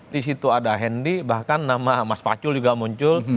di situ ada hendy bahkan nama mas pacul juga muncul